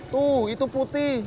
tuh itu putih